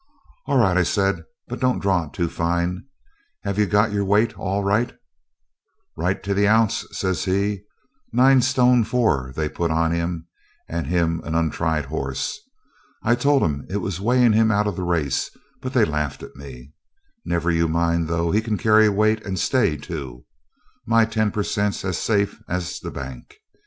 'All right,' I said, 'but don't draw it too fine. Have you got your weight all right?' 'Right to a hounce,' says he, 'nine stun four they've put on him, and him an untried horse. I told 'em it was weighting him out of the race, but they laughed at me. Never you mind, though, he can carry weight and stay too. My ten per cent's as safe as the bank.